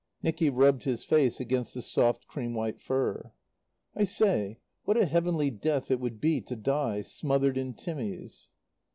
Nicky rubbed his face against the soft, cream white fur. "I say, what a heavenly death it would be to die smothered in Timmies."